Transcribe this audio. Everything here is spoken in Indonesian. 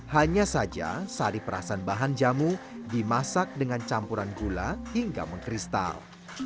hanya saja sari perasan bahan jamu dimasak dengan campuran gula hingga mengkristal